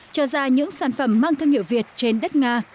cho ra những sản phẩm mang thương hiệu việt trên đất nga